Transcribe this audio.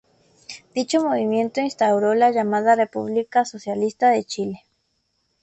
Dicho movimiento instauró la llamada República Socialista de Chile.